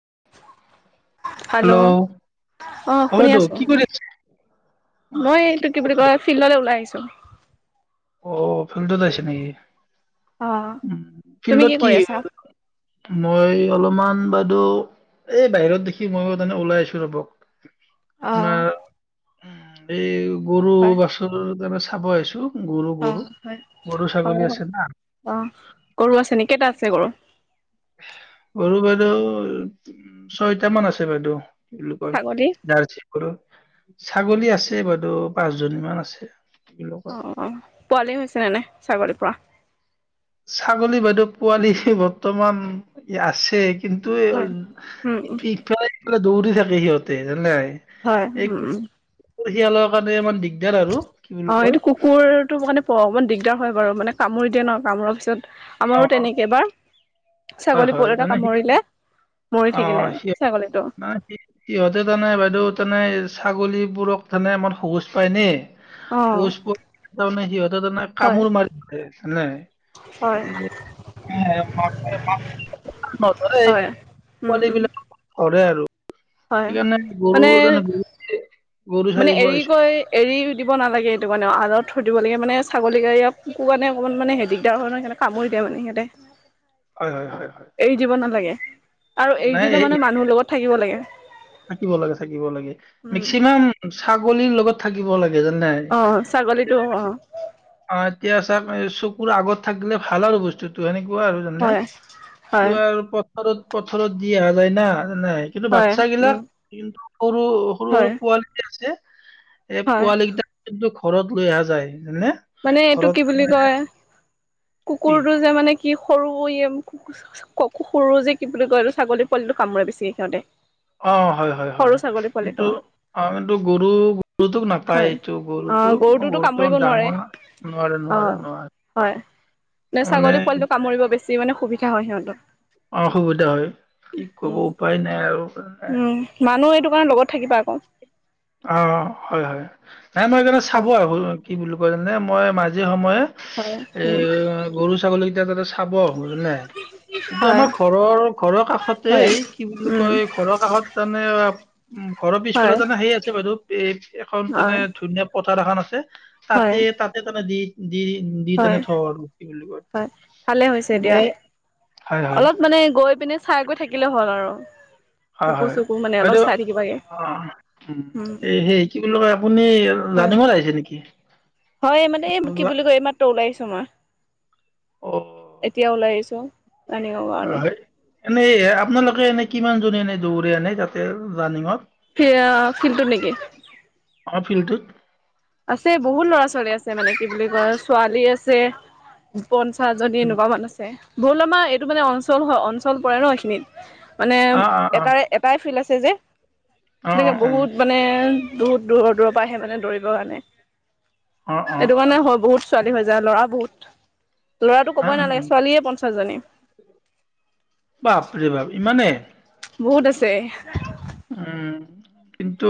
[unintelligible] Hello অ', হ'ব শুনি তো আছো কি কৰি আছে? মই এইটো কি বুলি কয়। ফিল্ডলৈ ওলাই আহিছো। চে অ', ফিল্ডত আহিছে নেকি অ উ'ম তুমি ফিল্ডত কি কৰি আছা মই অলপ অকমান বাইদেউ এই বাহিৰত দেখি মই তমানে ওলাই আছো ৰবক। অ আপোনাৰ! এই গৰু হয় বাচৰু তাৰ খাব আহিছো। গৰু অ গৰু। হয় গৰু ছাগলী আছে অ', না অ', গৰু আছে নে কেইটা আছে গৰু? ৰু বাইদেউ উ ছয়ট মান আছে বাইদেউ এই য ছাগলী কৰো। ছাগলী আছে বাইদেউ পাঁচ জনী মান আছে। কি বুলি কয় অ', অ', পোৱালি হৈছে ন নে? ছাগলী পোৱালি। ছাগলী বাইদেউ পোৱালি বৰ্তমান আছে কিন্তু হয় উম উম ইফালে ইফাল দৌৰি থাকে সিহঁতে যানে নে নাই। হয় এই উ'ম। কুকুৰ শিয়ালৰ কাৰণে ইমান দিগদ অ', এইটো কুকুৰতটো মানে প অকমান দিগদ দিগদাৰ হয় বাৰু মানে কামোৰি দিয় ন কামোৰাৰ পিছত। আমাৰো অ' তেনেকেবাৰ হয় ছাগলী হয় পোৱল এটা তাৰমানে সি কামুৰিলে। মৰি অ থাকিলে সিহ ছাগলীটো ম সিহঁতে তানে বাইদেউ তনে ছাগলীবোৰক তানে আমাৰ সহজ পায় নে অ পৰি তাৰমানে সিহঁতে তাৰ মানে হয় কামোৰ মাৰি [inaudible] হয় হয় উ'ম উ'ম। কৰে আৰু হয় সেইকাৰণে মানে গৰুানে গৰু গৰু মানে সাৰিব এৰি আহিছো কৈ এৰি দিব নালাগে এইটো মানে। খুধিব দিব লাগে মানে ছাগলী কুকুৰ কাৰণে অকণমান মানে দিগদাৰ হয় নহ সিহঁতে কামোৰি দিয়ে মানে সিহঁতে। হয়- হয়- হয় হয় এৰি দিব নালাগে? আৰু এৰি নাই দিলে এই মানে মানুহৰ লগত থাকিব লাগে। থাকিব লাগে - থাকিব লাগে উম মেক্সিমাম ছাগলীৰ লগত থাকিব লাগে। জানে অহ ', ছাগলীটো অহ ', অহ ', এতিয়া চাওঁক চকুৰ আগত থাকিলে ভাল আৰু বস্তুটো হেনে। ক আৰু জানে হয় হয় আৰু পথৰত পথাৰত দি অহা যায় না। নাই কিন্তু হয় বাচ্ছা উম গিলাক কিন্তু সৰু - সৰু- হয় সৰু পোৱালি আছে। এই হয় পোৱালিকেইটক কি ঘৰত লৈ অহা যায় হয়নে। মানে এইটো কি বুলি কয়। কি কুকুৰটো যে মানে। কি সৰু [unintelligible] সৰু যে কি বুলি কয়টো ছাগলী পোৱালিটো কামোৰে বেছিকে সিহঁতে। অহ ', হয় - হয়- সৰু হয় ছাগলী কিন্তু পোৱালিটো অ কিু গৰু গৰুটোক নাপায় হয় এইটো অ গৰুটোোক গৰুটোতো গৰুটো অহ কামুৰিব ', নোৱাৰে ডাঙৰ নোৱাৰে - নোৱাৰে - নোৱাৰে। ন মানে ছাগলী পোৱালটো কামৰিব যি মানে সুবিধা হয় সিহঁতক। অসুবিধা হয় কি কব উপায় নাই আৰু। [unintelligible] তাৰ লগত থাকিবা আকৌ? অহ ', হয়-হয়। নে মই সেইকাৰণ চাব হয়, আৰু কি বুলি কয়। মানে মই মাজিৰ সময়ে হয়, এ উম, গৰু ছাগলী কেইটা তাতে চাব আহো জানে কিন্তু হয়, আমাৰ ঘৰৰ - ঘৰৰ কাষতে হয়, কি বুলি উম, কয় ঘৰৰ কাষত তাৰমানে । উম', ঘৰৰ পিছফালে হয়, তানেই আছে বাইদেউ এই এখন মানে হয়, ধুনীয়া প এখন আছে। তাতে হয়, তাতে তোমাৰ দি দি দি তেনে হয়, থওঁ আৰু কি বুলি কয় হয়, ভালে হৈছে দিয়া। এনে হয় হয়। অলপ মানে গৈ পিনে চাই গৈ থাকিলে হ'ল আৰু। হয় কুকুৰ হয় হয় চুকুৰ মানে অলপ এইটো, চাই থাকিবাগে, উম, সেই কি বুলি কয় আপুনি হয়। জানিব আহিছে নেকি? ওলাইছো মই। এতিয়া ওলাই আহিছ [unintelligible] হয় হয় এনে আপোনালোকে এনে কিমান জনে এনে দৌৰে আনে তাতে ৰানিঙত। সেইয়া ফিল্ডটোত নেকি? অ' ফিল্ডটোত? আছে বহুত লৰা ছোৱালী আছে মানে কি বুলি কয় ছোৱালী আছে । পঞ্চাছজনী উম, এনেকুৱা মান আছে। বল আমাৰ এইটো মানে অঞ্চল হয় অঞ্চল পৰে ন এইখিনিত। মানে অ', অ', অ', এটাই এটাই ফিল্ড আছি লে যে। অ', এনেকে অ', উম, বহুত মানে বহুত দূৰ দূৰ পৰা আহে মানে দৌৰিব কাৰণে। অ', অ', এইটো কাৰণে হয় বহুত ছোৱালী হৈ যায়, ল'ৰা বহুত। ল'ৰাটো আ, কবই উম, নালাগে ছোৱালীয়ে পঞ্চাছ জনী । বাপ ৰে বাপ ইমানে। বহুত আছে। উম কিন্তু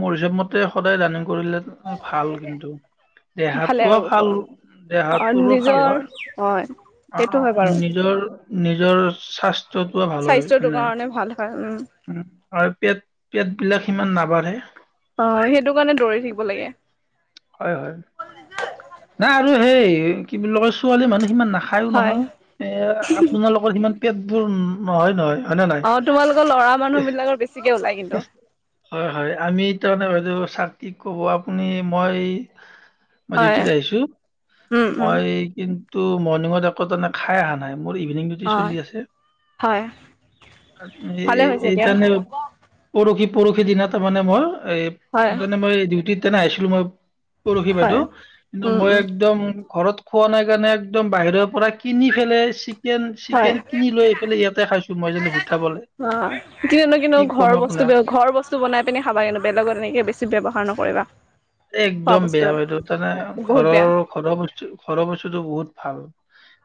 মোৰ হিচাপ মতে সদায় ৰানিং কৰিলে ভাল কিন্তু ভালে আৰু দেহাটোও ভাল অ দেহাটোৰো ভাল নিজৰ হয় হয় সেইটো হয় বাৰু নিজৰ নিজৰ স্বাস্থ্য স্বাস্থ্যটো কাৰণে ভাল। উম পেট পেট বিলাক সিমান নাবাঢ়ে। অ সেইটো কাৰণে দৌৰি থাকিব লাগে। হয় হয় নাই আৰু সেই কি বুলি কয় ছোৱালী সিমান না খাইয়ো হয় নহয়। এ আপোনালোকৰ সিমান পেটবোৰ নহয়, নহয়। হয় নে নাই অ, তোমালোকৰ ল'ৰা মানুহ বিলাকৰ বেছিকে উঠ লাই কিন্তু। হয়, হয়। আমি তাৰমানে চাক কি কব আপুনি মই মই হয় ডিউটিত আহিছো। উম উম মই কিন তটো মৰ্ণিঙত একৌ তেনে খাই আহা নাই। মোৰ ইভিনিং ডিউটি অ চলি আছে। হয় ভালে হৈছে এই দিয়া তাৰণে পৰহি, পৰহি দিনা তাৰমানে মই এই হয় মানে মই ডিউটিত নাইছিলো মই পৰহি হয় বাইদেউ কিন্তু উম মই উম একদম ঘৰত খোৱা নাই কাৰণে একদম বাহিৰৰ পৰা কিনি ফেলে চিকেন, হয় চিকেন কিনি লৈ আহি ইয়াতে খাইছো। মই যদি [unintelligible] [unintelligible] ঘৰ বস্তু, আপোনাক ঘৰ বস্তু বনাই পিনে খাবা কিন্তু বেলেগত এনেকে বেছি ব্যৱহাৰ নকৰিবা। এ খোৱা একদম বস্তু বেয়া বাইদেউ। তাৰমানে বহুত বেয়া ঘৰৰ ঘৰ বস্তু ঘৰৰ বস্তুটো বহুত ভাল।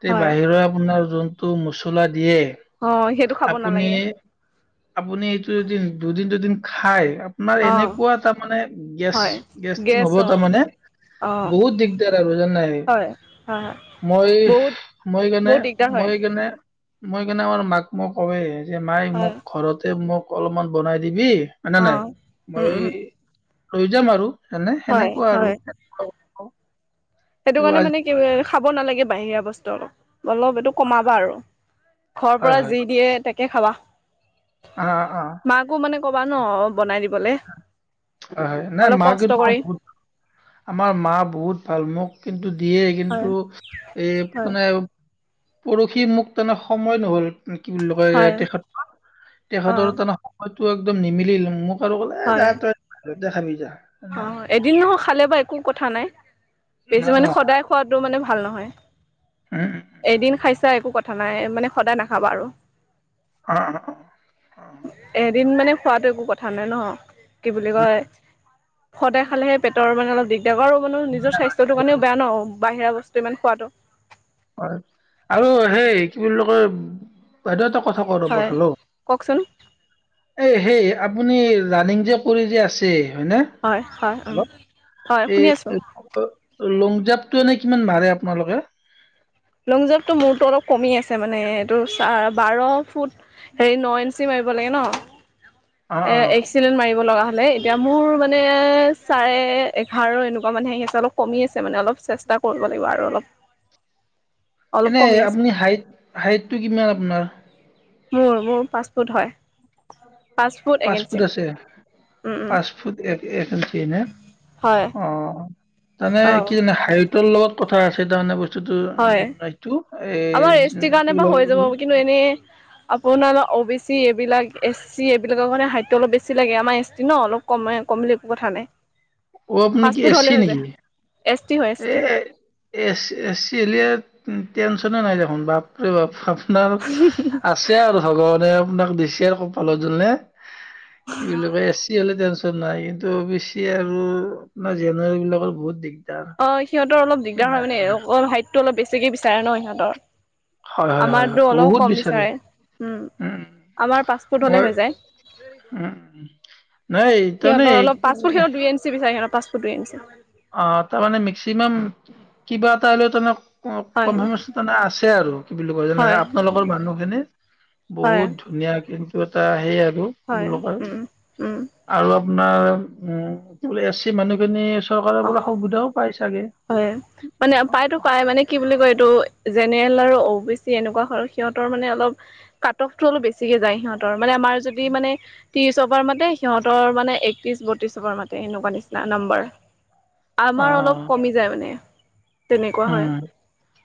এই হয় বাহিৰৰ আপোনাৰ যোন টো মছলা দিয়ে অ সেইটো খাব আপুনি, নালাগে আপুনি এইটো এদিন দুদিন-দুদিন খাই আপোনাৰ অ এনেকুৱা তাৰমানে গেছ হয় গেছ হব অ তাৰ মানে। অ বহুত দিগদাৰ আৰু জানে? হয় হয় হয় মই, বহুত মই কাৰণে, বহুত দিগদাৰ হয় মই কাৰণে মই কেনে কৰোঁ, মাক মই কঔৱে। যে মায়ে হয় মোক ঘৰতে মোক অলপমান বনাই দিবি হয় নে অ নাই? মই উম এই উম ৰই যাম আৰু। এনে হয় সেনেকুৱা আৰু। হয় ত সেইটো কাৰণে আজি মানে কি খাব নালাগে বাহিৰা কষ্ট অলপ অলপ এইটো কমাবা আৰু ঘৰৰ হয় পৰা হয় যি দিয়ে তাকে কে খাবা অ অ মাকো মানে ক'বা ন বনাই দিব হয় হয় নাই মাক কষ্ট কিন্তু কৰি আমাৰ মা বহুত ভাল মোক কিন্তু দিয়ে কিন্তু হয় এ হয় মানে পৰহি মোক তেনে সময় নহ'ল কি বুলি কয় হয় তেখেতৰ অ তেখেতৰ তাৰমানে সম তটো একদম নিমিল মোক সৰু কলে যা হয় তয় দেখাবিজা অ এদিন নহয় খালে বা একো কথা নাই বেছি অঁ মানে সদায় খোৱাটো মানে ভাল নহয় [unintelligible] এদিন খাইছা একো কথা নাই মানে সদায় নাখাবা আৰু অঁ অঁ এদিন মানে খোৱাতটো একো কথা নাই ন কি বুলি অঁ কয় সদায় খালেহে পেটৰ তাৰমানে অলপ দেগাৰো মানে নিজৰ স্বাস্থ্যৰটো কাৰণে বেয়া ন বাহিৰা বস্তু ইমান খোৱাাতটো হয় আৰু সেই কি বুলি কয় বাইদেউ হয় এটা কওকচোন [unintelligible] এ হেই আপুনি ৰানিিং যে কৰি যে আছে হয়নে হয়-হয় উ হেল্ল' হয় এই শুনি আছো। লং জাম্পটো এনে কিমান মাৰে আপোনালোকে? লং জাম্পটো মোৰটো অলপ কমি আছে মানে এইটো চাৰ বাৰ ফুট। সেই ন ইনঞ্চি ম দিব লাগে ন অঁ এ অঁ এক্সিডেন্ট মাৰিব লগা হ এতিয়া মোৰ মানে চাৰে এঘাৰ এনেকুৱা মানে আহি আছে অলপ কমি আছে মানে অলপ চেষ্টা কৰিব লাগিব আৰু অলপ। অলপ এনে কমি আছে আপুনি হাইট, হাইটটো কিমান আপোনাৰ? মোৰ মোৰ পাছপৰ্ট হয়। পাঁচ ফুট আছে। উম উম পাঁচ ফুট এক এক ইঞ্চি নে? হয় অঁ তানে অঁ কি জানে হায়তৰ ল কথা আছে তাৰমানে হয় বস্তু [unintelligible] - আমাৰ এছ টিৰ কাৰণে বা হৈ যাব কিন্তু এনেই আপোনাৰ অ বি চি যিবিলাক এছ চি এইবিলাকৰ কাৰণে হাইটটো অলপ বেছি লাগে আমাৰ এছ টি ন অলপ কম কম বুলি এক কথা নাই। অঁ আপুনি পাঁচ কি ফুট হ'লে এছি হৈ যায় নেকি? এছ টি হয় এছ এ টি এচ এ টেনচনে নাই দেখোন বাপ ৰে বাপ আছে আৰু ভগৱানে আপোনাক দিছে আৰু সফলতাৰ কাৰণে কি বুলি কয় এ চি হ'লে তেন না, কিন্তু অ বি চি আৰু আপোনাৰ জেনেৰেল বিলাকৰ বহুত দিগদাৰ। অঁ সিহঁতৰ অলপ দিগদাৰ হয় নাই মানে এওঁলোকৰ হাইটটো অলপ বেছিকে বিচাৰে ন সিহঁতৰ। হয় হয় হয় হয় আমাৰতো অলপ বহুত কম বিচাৰে উম আমাৰ পাছফুট হলে মই হৈ যায়। উম, উম। নাই সিহঁতৰ অলপ পাঁচ ফুট তাৰমানে সিহঁতক দুই ইঞ্চি বিচাৰে সিহঁতৰ পাঁচ [inaudible] অঁ তাৰমানে মেক্সিমাম কিবা এটা হ'লেও হয় কনফাৰমেচন মানে আছে আৰু কি বুলি কয় যেনে হয় আপোনালোকৰ মানুহ খিনি হয় বহুত ধুনীয়া সেই আৰু হয় উম [unintelligible] উম আপোনাৰ উম বোলে এছ চি মানুহ খিনি চো চৰকাৰৰ পৰা অ' সুবিধাও পায় ছাগে। হয় মানে পায়তো পায় মানে কি বুলি কয় জেনেৰেল আৰু অ বি চি এনেকুৱা হয় সিহঁতৰ মানে অলপ কাট অফটো অলপ বেছিকে যায় সিহঁতৰ মানে আমাৰ যদি মানে ত্ৰিশ অভাৰ মাতে সিহঁতৰ মানে একত্ৰিশ বত্ৰিশ অভাৰ মাতে এনেকুৱা নিচিনা নম্বাৰ। আমাৰ অলপ অ', কমি যায় মানে। তেনেকুৱা হয় উম,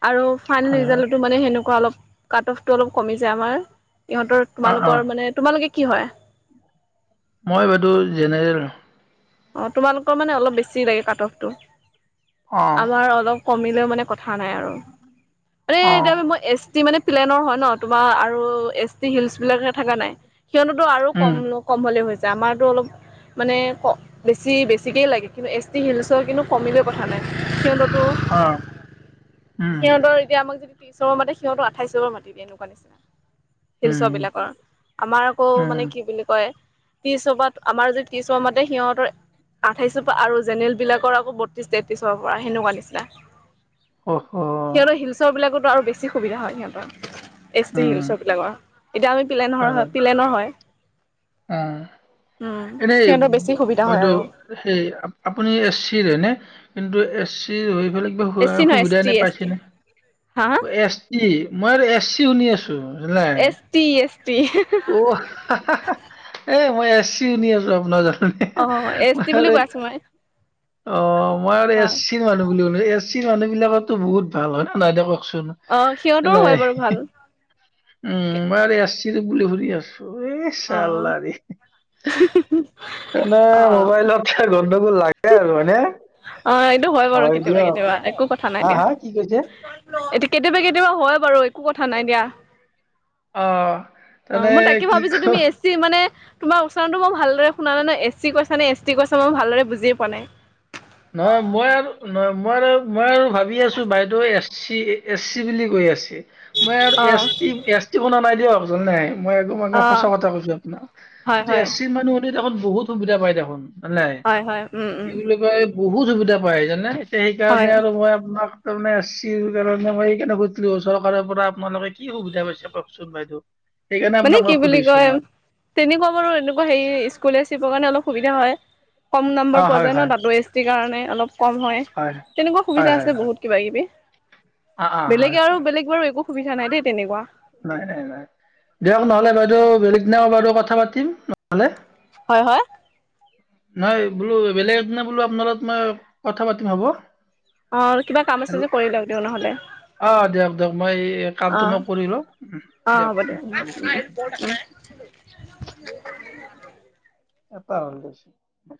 আৰু ফাইনেল হয়, হয়, ৰিজাল্টতো মানে সেনেকুৱা অলপ কাট অফটো অলপ কমি যায় আমাৰ। ইহঁতৰ অ', অ', তোমালোকৰ মানে তোমালোকে কি হয়। মই বাইদেউ জেনেৰেল। অঁ তোমালোকৰ মানে অলপ বেছি লাগে কাট অফটো অ', আমাৰ অলপ কমিলে মানে ণে কথা নাই আৰু মানে এতিয়া অ', আৰু মই এছ টি মানে প্লেনৰ হয় ন তোমাৰ আৰু এছ টি হিলচ বিলাকে থকা নাই সিহঁতেতো আৰু উম, কম-কম হ'লে হৈ যায় আমাৰতো অলপ মানে ক বেছি বেছিকেই লাগে কিন্তু এছ টি হিলছৰ কিন্তু কমিলেও কথা নাই সি অ', উম, সিহঁতৰ এতিয়া আমাক যদি ত্ৰিছৰ পৰা মাতে সিহঁতৰ আঠাইছৰ মাতি দিয়ে তেনেকুৱা নিচিনা শিলচ উম, বিলাকৰ আমাৰ আকৌ উম, মানে কি বুলি কয়, সেই হিচাপত আমাৰ যে ত্ৰিছৰ পা মাতে সিহঁতৰ আঠাইশৰ পৰা আৰু জেনেৰেল বিলাকৰ আকৌ বত্ৰিচ তেত্ৰিচৰ পৰা সেনেকুৱা নিচিনা অহ হ সিহঁতৰ হিলচৰ বিলাকতো আৰু বেছি সুবিধা হয় সিহঁতৰ এচ টি উম, শিলছৰ বিলাকৰ এতিয়া আমি পিলেন হয়, হয়-হয় হয়, পিলেনৰ হয়। উম। উম এনেই সিহঁতৰ বেছি সুবি বাইদেউ সেই আপুনি এচ চিৰ হয়নে কিন্তু এ চি হৈ লৱক এছ কিবা চি নহয় সুবিধা এছ টি এনে এছ পাইছে টি নে হা হা? এছ টি মই আৰু এছ চি শুনি আছোঁ। ন এছ টি এছ টি [inaudible] অ হা হা এই মই এছ চিনি আছোঁ আপুনা য়া হে অ এছ টি হে বুলি লৈ কৈ আছো মই অ মই আৰু অ এছ চি মানুহ বুলি কলোঁ এছ এছ টি মানুহ বিলাকৰতো বহুত ভাল হয় নে নহয় এতিয়া ক কওকচোন অ সিহঁতৰো এলেই হয় বাৰু হি ভাল উম মই আৰু এছ টি বুলি শুনি আছোঁ এ অ চালা ৰে মানে অ মোবাইলত গণ্ডগোল লাগে লাগে আৰু হয়নে অ এইটো বাৰু হয় কেতিয়াবা দিয়ক কেতিয়াবা একো কথা নাই হা দিয়া হা কি কৈছে এতিয়া কেতিয়াবা কেতিয়াবা হয় বাৰু একো কথা নাই দিয়া অ' অ তানে মই তাকে কি ক ভাবিছোঁ তুমি এছ টি মানে তোমাৰ উচ্চাৰণটো মই ভালদৰে শুনা নাই এ চি কৈছা নে এছ টি কৈছা মই ভালৰে বুজি মানে নহয় মই আৰু নহ মই আৰু মই আৰু ভাবি আছো বাইদেউ এছ চি এছ চি বুলি কৈ আছে। মই অ এছ টি এছ টি শুনা নাই দিয়ক। কোনো নাই মই আৰু অ মানুহ সঁচা কথা কৈছো আপোনাক হয় হয় এচ চি মানুহ হলে দেখোন বহুত সুবিধা পাই দেখোন হলঁনাই, হয় হয় উম কি উম বুলি কয়- বহুত সুবিধা পাই জানে। হয় সেইকাৰণে আৰু মই আপোনাক তাৰমানে আছিল কাৰণে মই এই কাৰণে কৈছিলো চৰকাৰৰ পৰা আপোনালোকে কি সুবিধা পাইছে কওঁকচোন বাইদেউ সেইকাৰণে মানে আপোনাক মই কি বুলি সুধিছো কয় মই তেনেকুৱা বাৰু এনেকুৱা হেৰি স্কুলে চিপৰ কাৰণে অলপ সুবিধা হয়। কম নম্বৰ অ' পোৱা হয় যায় ন হয় তাঁতো এছ টিৰ কাৰণে অলপ কম হয় তেনেকুৱা হয় সুবিধা হয় আছে হয় বহুত কিবা কিবি অ' অ' হয় বেলেগে আৰু হয়। বেলেগ বাৰু একো সুবিধা নাই দেই। তেনেকুৱা। নাই নাই নাই দিয়ক নহলে বাইদেউ বেলেগ দিনা বাৰু কথা পাতিম নহলে। হয় হয় নাই বোলো বেলেগ একদিনা বোলো আপোনাৰ লগত মই কথা পাতিম হ'ব। অ কিবা কাম আছে হেল্লো যে কৰি লওক দিওঁ নহ'লে অহঁ দিয়ক দিয়ক মই এই অ কামটো মই কৰিলওঁ। অ হ'ব দে [inaudible] এপা অছ [unintelligible]